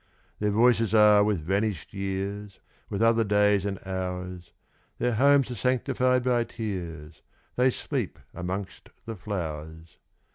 Their voices are with vanished years, With other days and hours; Their homes are sanctified by tears They sleep amongst the flowers.